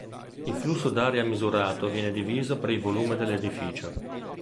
Il flusso d'aria misurato viene diviso per il volume dell'edificio.